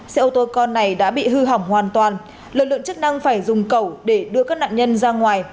xe ô tô con này đã bị hư hỏng hoàn toàn lực lượng chức năng phải dùng cầu để đưa các nạn nhân ra ngoài